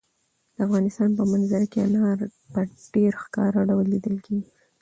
د افغانستان په منظره کې انار په ډېر ښکاره ډول لیدل کېږي.